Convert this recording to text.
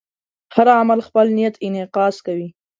هر عمل خپل نیت انعکاس کوي.